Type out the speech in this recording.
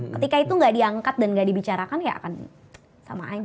ketika itu nggak diangkat dan nggak dibicarakan ya akan sama aja